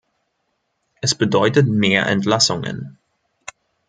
Es bedeutet mehr Entlassungen.